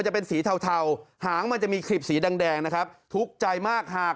ใครมีรางวัลให้๘๐๐๐บาทเท่าไหร่ครับ๘๐๐๐บาท